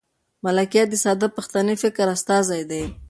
ملکیار د ساده پښتني فکر استازی دی.